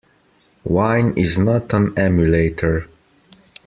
Wine is not an emulator.